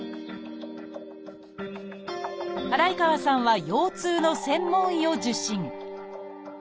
祓川さんは腰痛の専門医を受診